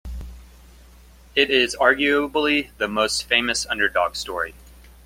It is arguably the most famous underdog story.